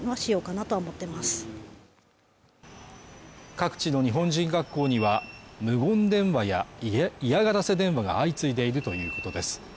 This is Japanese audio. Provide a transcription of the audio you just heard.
各地の日本人学校には無言電話や嫌がらせ電話が相次いでいるということです